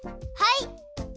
はい！